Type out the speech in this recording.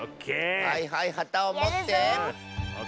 はいはいはたをもって。